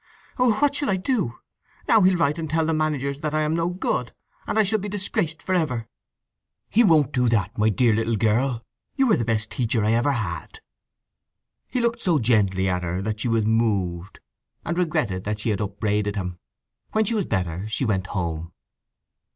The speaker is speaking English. Oh, what shall I do! Now he'll write and tell the managers that I am no good, and I shall be disgraced for ever!" "He won't do that, my dear little girl. You are the best teacher ever I had!" He looked so gently at her that she was moved, and regretted that she had upbraided him. When she was better she went home.